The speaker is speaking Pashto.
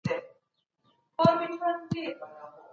رایه ورکول د هر تبعه بنسټیز حق دی.